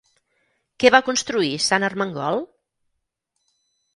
Què va construir Sant Ermengol?